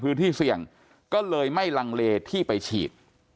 วิธีเสี่ยงก็เลยไม่รังเรที่ไปฉีด